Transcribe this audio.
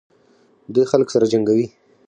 دوی خلک سره جنګوي.